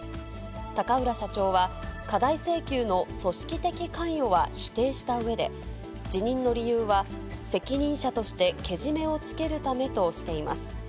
高浦社長は過大請求の組織的関与は否定したうえで、辞任の理由は責任者としてけじめをつけるためとしています。